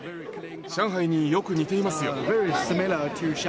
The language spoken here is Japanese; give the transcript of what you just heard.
上海によく似ていますよ。